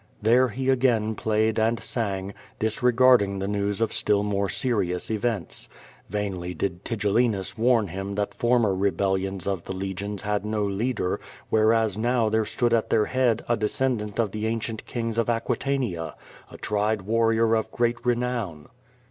Ti^re he again played and sang, disregarding the news of stil! more serious events. Vainly did Tigellinus warn him that former rebellions of the Legions had no leader, whereas now there stood at their head a descendant of the ancient kin^ of Aquitania, a tried warrior ol great renown.